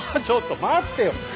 ちょっと待ってよ。